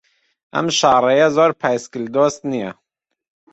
ئەم شاڕێیە زۆر پایسکل دۆست نییە.